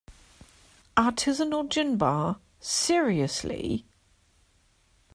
Artisanal gin bar, seriously?!